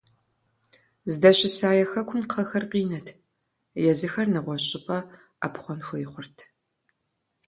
Здэщыса я хэкум кхъэхэр къинэт, езыхэр нэгъуэщӀ щӀыпӀэ Ӏэпхъуэн хуей хъурт.